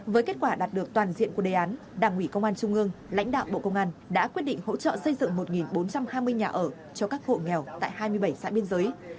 với kết quả đạt được toàn diện của đề án đảng ủy công an trung ương lãnh đạo bộ công an đã quyết định hỗ trợ xây dựng một bốn trăm hai mươi nhà ở cho các hộ nghèo tại hai mươi bảy xã biên giới